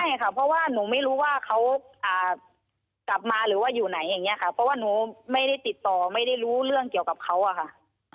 ใช่ค่ะเพราะว่าหนูไม่รู้ว่าเขากลับมาหรือว่าอยู่ไหนอย่างนี้ค่ะเพราะว่าหนูไม่ได้ติดต่อไม่ได้รู้เรื่องเกี่ยวกับเขาอะค่ะ